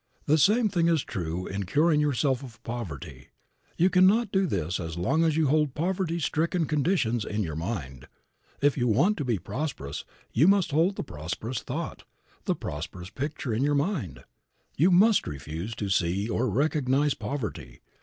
The same thing is true in curing yourself of poverty. You can not do this as long as you hold poverty stricken conditions in your mind. If you want to be prosperous you must hold the prosperous thought, the prosperous picture in your mind. You must refuse to see or recognize poverty.